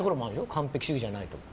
完璧主義じゃないところ。